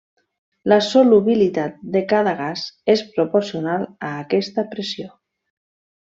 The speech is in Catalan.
La solubilitat de cada gas és proporcional a aquesta pressió.